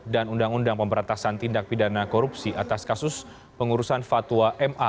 dan undang undang pemperatasan tindak pidana korupsi atas kasus pengurusan fatwa ma